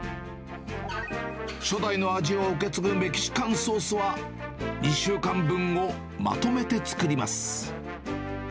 初代の味を受け継ぐメキシカンソースは、２週間分をまとめて作ります。